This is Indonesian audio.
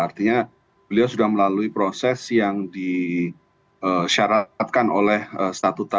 artinya beliau sudah melalui proses yang disyaratkan oleh statuta